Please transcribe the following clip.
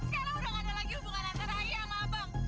sekarang udah gak ada lagi hubungan antara ayah sama abang